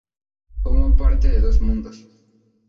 Formo parte de dos mundos"".